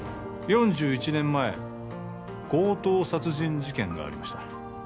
４１年前強盗殺人事件がありました